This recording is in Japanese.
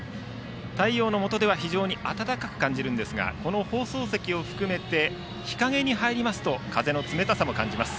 太陽のもとでは非常に暖かく感じるんですがこの放送席を含めて日陰に入りますと風の冷たさも感じます。